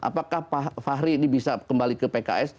apakah pak fahri ini bisa kembali ke pks